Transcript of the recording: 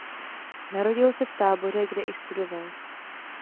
Narodil se v Táboře kde i studoval.